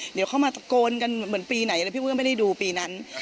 เดี๋ยวเข้ามาตะโกนกันเหมือนปีไหนแล้วพี่เบื้องไม่ได้ดูปีนั้น